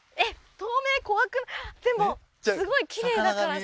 透明怖くでもすごいきれいだからさ。